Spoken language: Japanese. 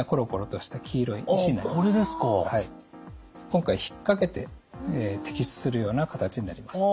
今回引っ掛けて摘出するような形になります。